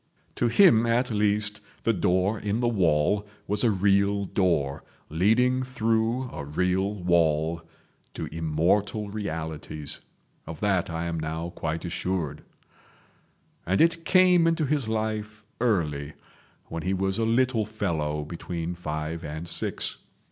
To him at least the Door in the Wall was a real door leading through a real wall to immortal realities. Of that I am now quite assured. And it came into his life early, when he was a little fellow between five and six.